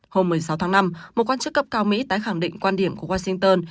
hôm một mươi sáu tháng năm một quan chức cấp cao mỹ tái khẳng định quan điểm của washington